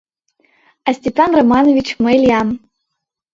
— А Степан Романович мый лиям.